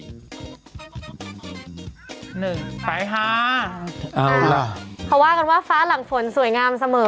หนึ่งไปค่ะเอาล่ะเขาว่ากันว่าฟ้าหลังฝนสวยงามเสมอ